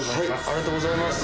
ありがとうございます。